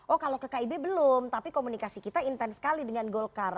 oh kalau ke kib belum tapi komunikasi kita intens sekali dengan golkar